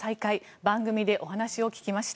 番組でお話を聞きました。